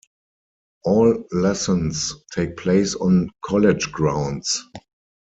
All lessons take place on college grounds.